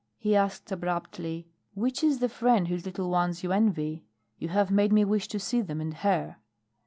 He asked abruptly: "Which is the friend whose little ones you envy? You have made me wish to see them and her?"